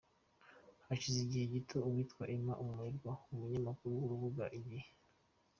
Hashize igihe gito uwitwa Emma Umurerwa, umunyamakuru w’urubuga igihe.